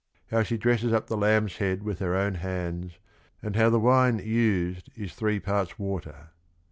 how she dresses up the lamb's head with her own hands and how the wine used is three parts water.